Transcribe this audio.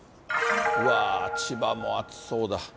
うわー、千葉も暑そうだ。